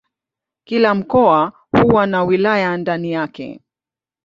Kila mkoa huwa na wilaya ndani yake.